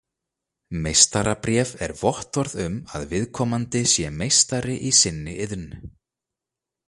Meistarabréf er vottorð um að viðkomandi sé meistari í sinni iðn.